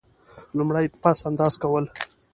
لومړی: پس انداز کول.